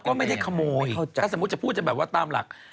ก็ไม่ได้ขโมยถ้าสมมุติจะพูดจะแบบว่าตามหลัก